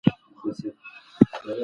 غازيان تږي او ستړي ستومانه دي.